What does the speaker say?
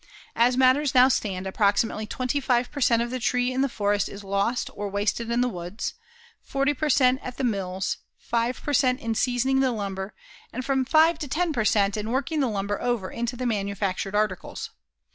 As matters now stand, approximately 25 per cent. of the tree in the forest is lost or wasted in the woods, 40 per cent. at the mills, 5 per cent. in seasoning the lumber and from 5 to 10 per cent. in working the lumber over into the manufactured articles.